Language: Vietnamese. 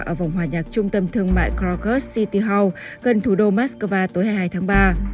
ở vòng hòa nhạc trung tâm thương mại crogus city house gần thủ đô moscow tối hai mươi hai tháng ba